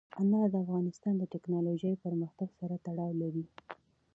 انار د افغانستان د تکنالوژۍ پرمختګ سره تړاو لري.